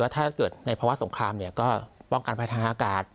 ถ้าเกิดในภาวะสงครามก็ป้องกันภัยทางอากาศ